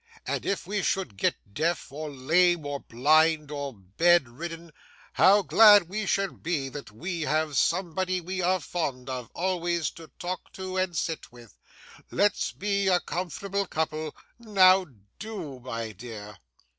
And if we should get deaf, or lame, or blind, or bed ridden, how glad we shall be that we have somebody we are fond of, always to talk to and sit with! Let's be a comfortable couple. Now, do, my dear!